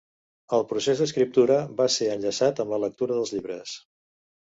El procés d'escriptura va ser enllaçat amb la lectura dels llibres.